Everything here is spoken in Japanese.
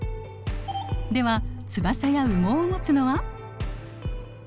では翼や羽毛をもつのは？